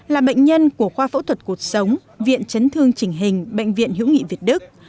là bệnh nhân của khoa phẫu thuật cuộc sống viện chấn thương chỉnh hình bệnh viện hữu nghị việt đức